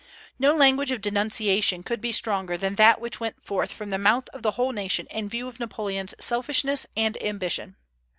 No language of denunciation could be stronger than that which went forth from the mouth of the whole nation in view of Napoleon's selfishness and ambition.